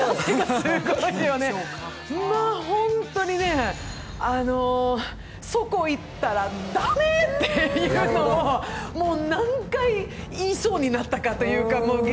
まあ、ホントにそこ行ったら駄目っていうのを、何回言いそうになったかというのを。